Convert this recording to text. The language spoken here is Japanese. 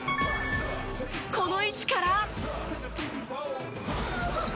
この位置から。